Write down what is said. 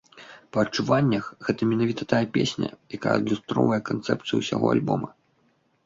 Па адчуваннях, гэта менавіта тая песня, якая адлюстроўвае канцэпцыю ўсяго альбома.